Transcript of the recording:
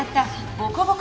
ボコボコ